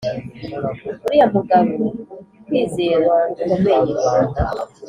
uriya mugabo kwizera gukomeye